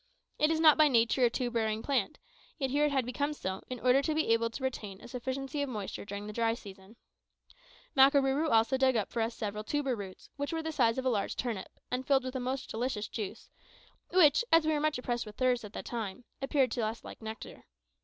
It is not by nature a tuber bearing plant; yet here it had become so, in order to be able to retain a sufficiency of moisture during the dry season. Makarooroo also dug up for us several tuber roots, which were the size of a large turnip, and filled with a most delicious juice, which, as we were much oppressed with thirst at the time, appeared to us like nectar.